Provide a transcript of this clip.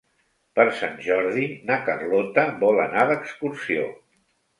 Per Sant Jordi na Carlota vol anar d'excursió.